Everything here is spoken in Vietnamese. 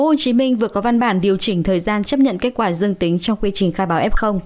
ubnd tp hồ chí minh vừa có văn bản điều chỉnh thời gian chấp nhận kết quả dương tính trong quy trình khai báo f